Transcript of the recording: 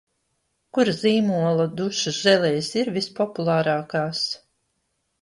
Kura zīmola dušas želejas ir vispopulārākās?